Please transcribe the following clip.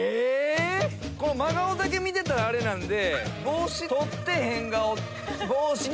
⁉真顔だけ見てたらあれなんで。